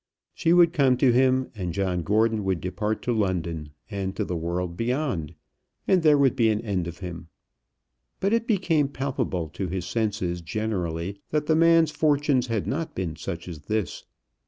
She would come to him, and John Gordon would depart to London, and to the world beyond, and there would be an end of him. But it became palpable to his senses generally that the man's fortunes had not been such as this.